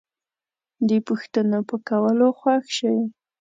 د پوښتنو په کولو خوښ شئ